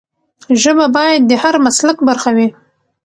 ژبه باید د هر مسلک برخه وي.